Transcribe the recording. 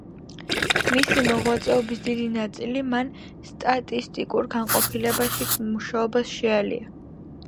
მისი მოღვაწეობის დიდი ნაწილი მან სტატისტიკურ განყოფილებაში მუშაობას შეალია.